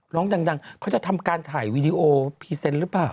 ร้องดังเขาจะทำการถ่ายวีดีโอพรีเซนต์หรือเปล่า